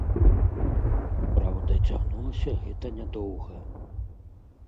Праўда, цягнулася гэта нядоўга.